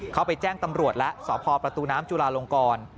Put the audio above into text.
เขาไปแจ้งตำรวจแล้วสพประตูน้ำจุลาลงกร